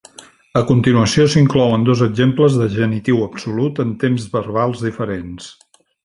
A continuació s'inclouen dos exemples de genitiu absolut, amb temps verbals diferents.